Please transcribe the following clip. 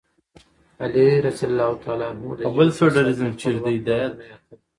علي رض د ژبې په فصاحت کې د خپل وخت یوازینی اتل و.